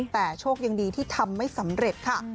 แต่โชคยังดีที่ทำไม่สำเร็จค่ะ